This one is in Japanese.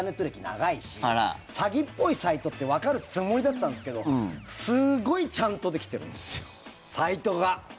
長いし詐欺っぽいサイトってわかるつもりだったんですけどすごいちゃんとできてるんですよサイトが。